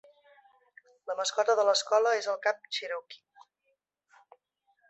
La mascota de l'escola és el cap cherokee.